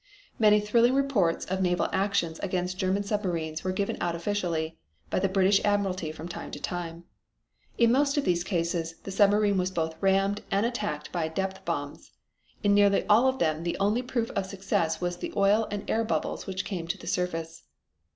Many thrilling reports of naval actions against German submarines were given out officially by the British admiralty from time to time. In most of these cases the submarine was both rammed and attacked by depth bombs. In nearly all of them the only proof of success was the oil and air bubbles which came to the surface.